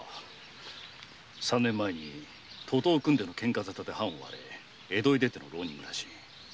三年前徒党を組んでのケンカ沙汰で藩を追われ江戸に出ての浪人暮らし。